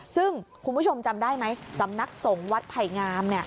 ซึ่งคุณผู้ชมจำได้ไหมสำนักสงฆ์วัดไผ่งาม